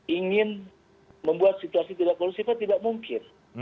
ingin membuat situasi tidak berusaha itu tidak mungkin